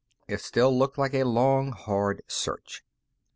It still looked like a long, hard search.